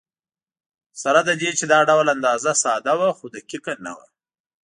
سره له دې چې دا ډول اندازه ساده وه، خو دقیقه نه وه.